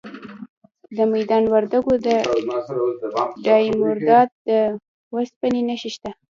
د میدان وردګو په دایمیرداد کې د وسپنې نښې شته.